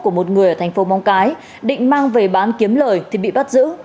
của một người ở thành phố móng cái định mang về bán kiếm lời thì bị bắt giữ